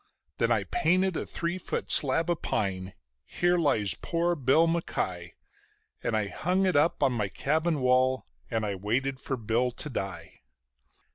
Then I painted a three foot slab of pine: "Here lies poor Bill MacKie", And I hung it up on my cabin wall and I waited for Bill to die.